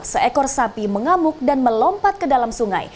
seekor sapi mengamuk dan melompat ke dalam sungai